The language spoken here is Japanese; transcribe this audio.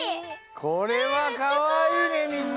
これはかわいいねみんな。